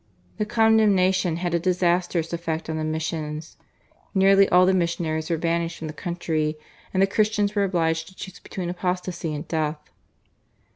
The condemnation had a disastrous effect on the missions. Nearly all the missionaries were banished from the country, and the Christians were obliged to choose between apostasy and death.